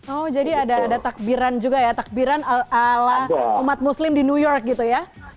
oh jadi ada takbiran juga ya takbiran ala umat muslim di new york gitu ya